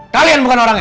kalian bukan orangnya